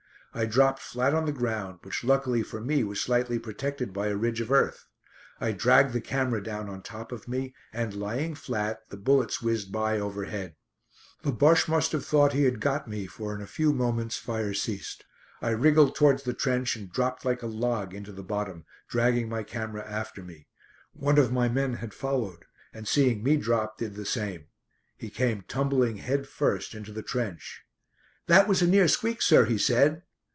I dropped flat on the ground, which luckily for me was slightly protected by a ridge of earth. I dragged the camera down on top of me and, lying flat, the bullets whizzed by overhead. The Bosche must have thought he had got me, for in a few moments fire ceased. I wriggled towards the trench and dropped like a log into the bottom, dragging my camera after me. One of my men had followed, and seeing me drop, did the same. He came tumbling head first into the trench. "That was a near squeak, sir," he said.